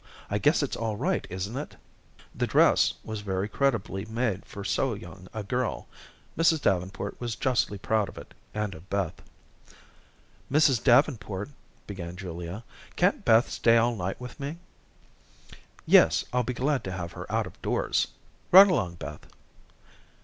I guess it's all right, isn't it?" The dress was very creditably made for so young a girl. Mrs. Davenport was justly proud of it and of Beth. "Mrs. Davenport," began Julia, "can't Beth stay all night with me?" "Yes, I'll be glad to have her out of doors. Run along, Beth."